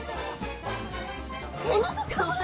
この子かわいい！